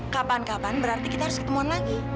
kapan kapan berarti kita harus ketemuan lagi